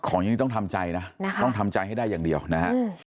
อย่างนี้ต้องทำใจนะนะคะต้องทำใจให้ได้อย่างเดียวนะครับ